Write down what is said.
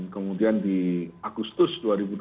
kemudian di agustus